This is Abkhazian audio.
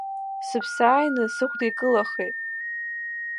Сыԥсы ааины сыхәда икылахеит.